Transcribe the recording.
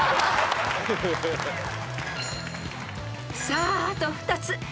［さああと２つ］